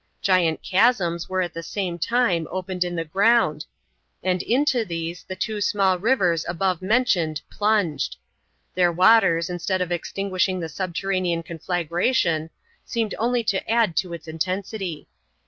Vast chasms were at the same time opened in the ground, and into these the two small rivers above mentioned plunged. Their waters, instead of extinguishing the subterranean conflagration, seemed only to add to its intensity.